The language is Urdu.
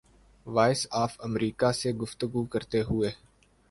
وائس آف امریکہ سے گفتگو کرتے ہوئے